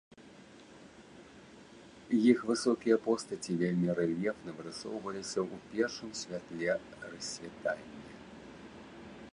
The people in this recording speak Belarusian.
Іх высокія постаці вельмі рэльефна вырысоўваліся ў першым святле рассвітання.